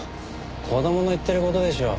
子供の言ってる事でしょう。